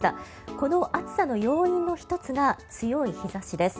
この暑さの要因の１つが強い日差しです。